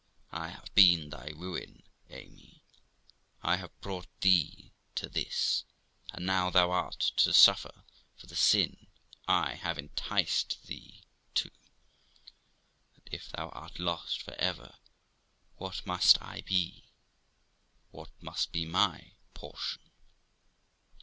I have been thy ruin, Amy! I have brought thee to this, and now thou art to suffer for the sin I have enticed thee to ! And if thou art lost for ever, what must I be? what must be my portion?'